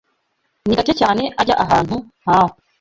Ni gake cyane ajya ahantu nkaho.